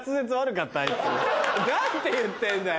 何て言ってんだよ。